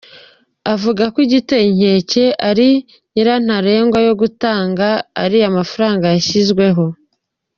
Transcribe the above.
Avuga ko igiteye inkeke ari nyirantarengwa yo gutanga ariya mafaranga yashyizweho.